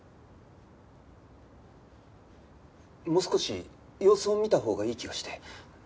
もう少し様子を見たほうがいい気がして。